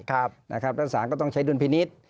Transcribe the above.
ครับนะครับสนับสร้างก็ต้องใช้ดุลพินิษฐ์